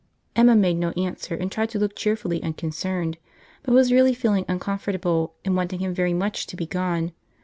Emma made no answer, and tried to look cheerfully unconcerned, but was really feeling uncomfortable and wanting him very much to be gone.